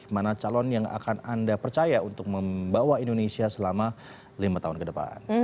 mana calon yang akan anda percaya untuk membawa indonesia selama lima tahun ke depan